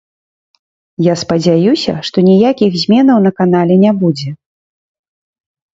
Я спадзяюся, што ніякіх зменаў на канале не будзе.